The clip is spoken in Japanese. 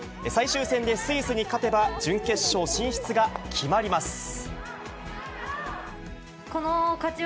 最終戦でスイスに勝てば、準決勝